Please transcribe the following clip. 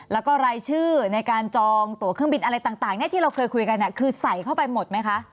แล้วก็รายชื่อในการจองตัวเครื่องบินอะไรต่างที่เราเคยคุยกันคือใส่เข้าไปหมดไหมคะ